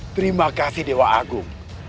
terima kasih dewa agung